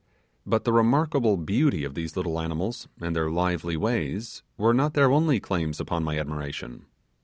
But the remarkable beauty of these little animals and their lively ways were not their only claims upon my admiration.